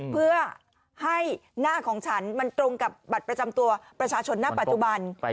เพื่อให้หน้าของฉันมันตรงกับบัตรประจำตัวประชาชนหน้าปัจจุบัน